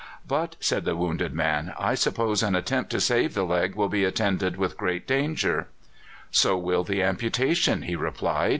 "But," said the wounded man, "I suppose an attempt to save the leg will be attended with great danger." "So will the amputation," he replied.